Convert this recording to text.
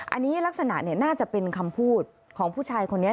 อันนี้ลักษณะน่าจะเป็นคำพูดของผู้ชายคนนี้